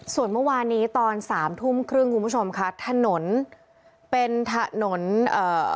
ส่วนเมื่อวานี้ตอนสามทุ่มครึ่งคุณผู้ชมค่ะถนนเป็นถนนเอ่อ